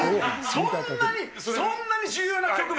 そんなに、そんなに重要な局面？